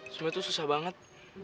sebenernya tuh susah banget